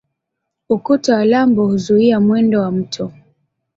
Ukuta wa lambo huzuia mwendo wa mto.